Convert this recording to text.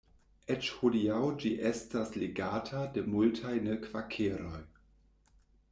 Eĉ hodiaŭ ĝi estas legata de multaj ne-kvakeroj.